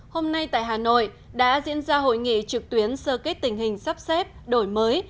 hôm nay tại hà nội đã diễn ra hội nghị trực tuyến sơ kết tình hình sắp xếp đổi mới